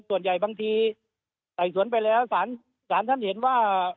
ส่วนใหญ่บางทีใส่สะดองไปเลยแล้วสารเห็นว่า